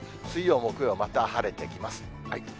水曜、木曜、また晴れてきます。